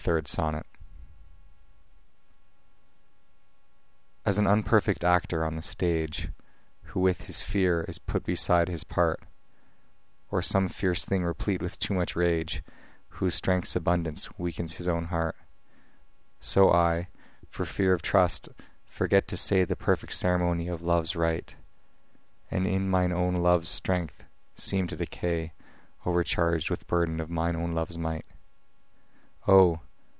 XXIII As an unperfect actor on the stage, Who with his fear is put beside his part, Or some fierce thing replete with too much rage, Whose strength's abundance weakens his own heart; So I, for fear of trust, forget to say The perfect ceremony of love's rite, And in mine own love's strength seem to decay, O'ercharg'd with burthen of mine own love's might. O!